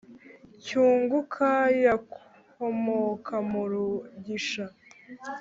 cyunguka yakomoka mu rugisha.